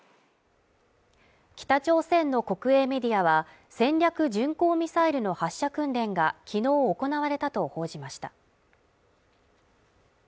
北朝鮮の国営メディアは戦略巡航ミサイルの発射訓練が昨日行われたと報じました。